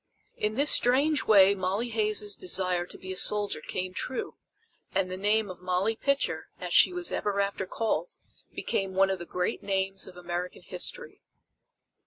In this strange way Molly Hays' desire to be a soldier came true, and the name of Molly Pitcher, as she was ever after called, became one of the great names of American History.